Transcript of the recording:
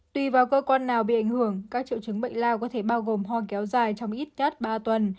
tùy vào cơ quan nào bị ảnh hưởng các triệu chứng bệnh lao có thể bao gồm ho kéo dài trong ít nhất ba tuần